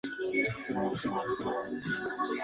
Journal of the Asiatic Society of Bengal.